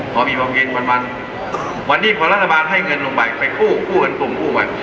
เพราะมีความกิจมันมันวันนี้พอรัฐบาลให้เงินลงไปไปคู่คู่กันตรงคู่ไว้